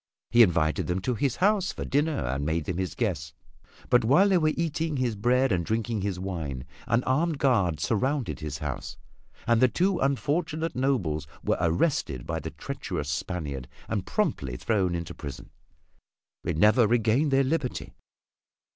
He invited them to his house to dinner and made them his guests but while they were eating his bread and drinking his wine, an armed guard surrounded his house and the two unfortunate nobles were arrested by the treacherous Spaniard and promptly thrown into prison. They never regained their liberty.